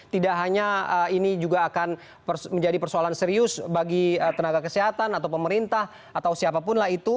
tidak hanya ini juga akan menjadi persoalan serius bagi tenaga kesehatan atau pemerintah atau siapapun lah itu